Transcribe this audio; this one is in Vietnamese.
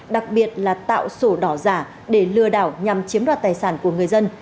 đặc biệt là tạo sổ đỏ giả để lừa đảo nhằm chiếm đoạt tài sản của người dân